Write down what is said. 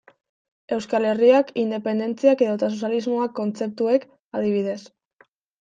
Euskal Herriak, independentziak edota sozialismoak kontzeptuek, adibidez.